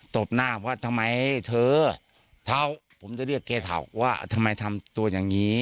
บหน้าว่าทำไมเธอเท้าผมจะเรียกแกเถาว่าทำไมทำตัวอย่างนี้